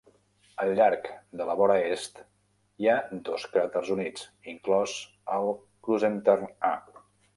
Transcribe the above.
Al llarg de la vora est hi ha dos cràters units, inclòs el Krusenstern A.